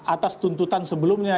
atas tuntutan sebelumnya